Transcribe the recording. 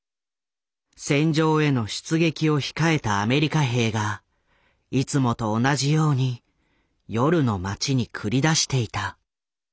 戦場への出撃を控えたアメリカ兵がいつもと同じように夜の街に繰り出していた。